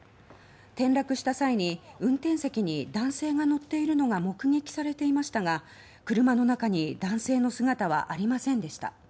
転落した際に運転席に男性が乗っているのが目撃されていましたが車の中に男性の姿はありませんでした。